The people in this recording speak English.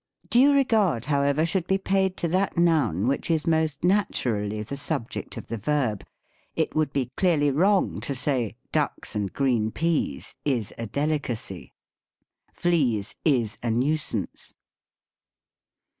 Due regard, however, should be paid to that noun which is most naturally the sub ject of the verb : it would be clearly wrong to say, *>' Ducks and green peas is a delicacy." " Fleas is n nuisance."